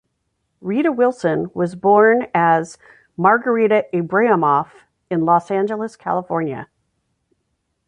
Rita Wilson was born as Margarita Ibrahimoff in Los Angeles, California.